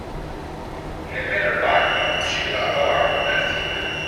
Nemmeno il bagno, ci lavavamo nel fiume.